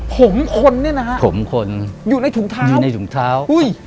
ผมคนเนี่ยนะฮะอยู่ในถุงเท้าอุ้ย